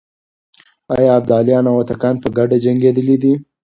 آيا ابداليان او هوتکان په ګډه جنګېدلي دي؟